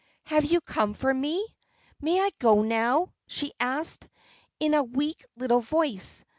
"Have you come for me? May I go, now?" she asked, in a weak little voice.